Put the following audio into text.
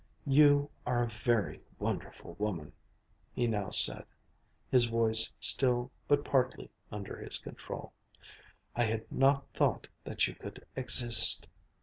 "You are a very wonderful woman," he now said, his voice still but partly under his control. "I had not thought that you could exist."